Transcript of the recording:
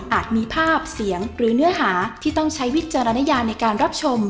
มีภาพเสียงหรือเนื้อหาที่ต้องใช้วิจารณญาในการรับชม